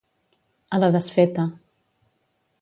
A la desfeta.